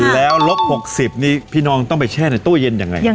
แล้วลบ๖๐นี่พี่น้องต้องไปแช่ในตู้เย็นยังไง